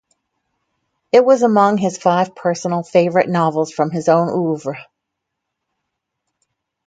It was among his five personal favorite novels from his own oeuvre.